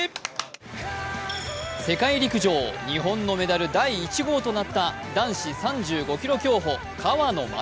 世界陸上日本のメダル第１号となった男子３５ｋｍ競歩・川野将